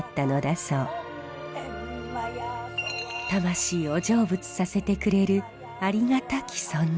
魂を成仏させてくれるありがたき存在。